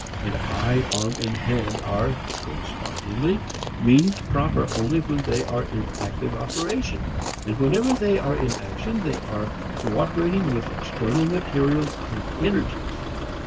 And eye, arm and hand are, correspondingly, means proper only when they are in active operation. And whenever they are in action they are cooperating with external materials and energies.